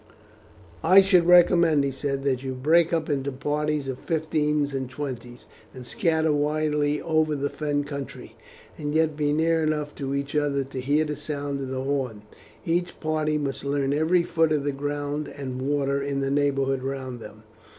"I should recommend," he said, "that you break up into parties of fifteens and twenties, and scatter widely over the Fen country, and yet be near enough to each other to hear the sound of the horn. Each party must learn every foot of the ground and water in the neighbourhood round them.